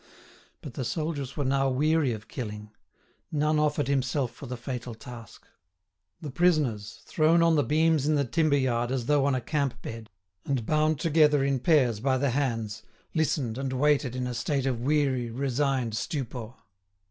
But the soldiers were now weary of killing; none offered himself for the fatal task. The prisoners, thrown on the beams in the timber yard as though on a camp bed, and bound together in pairs by the hands, listened and waited in a state of weary, resigned stupor.